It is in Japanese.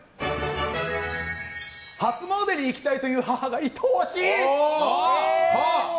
初詣に行きたいという母が愛おしい。